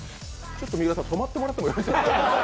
ちょっと三浦さん、止まってもらってもいいですか？